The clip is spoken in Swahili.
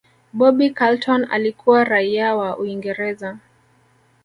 bobby Charlton alikuwa raia wa Uingereza